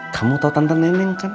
kamu tahu tante neneng kan